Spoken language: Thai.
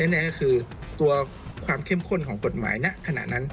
แน่ก็คือตัวความเข้มข้นของกฎหมายณขณะนั้น